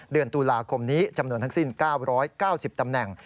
เดือนตุลาคมนี้จำนวนทั้งสิ้น๙๙๐ตำแหน่ง